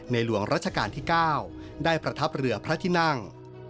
หลวงรัชกาลที่๙ได้ประทับเรือพระที่นั่ง